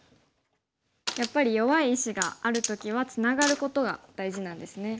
やっぱり弱い石がある時はツナがることが大事なんですね。